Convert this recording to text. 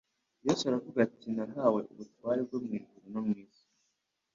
Yesu aravuga ati : "Nahawe ubutware bwo mu ijuru no mu isi."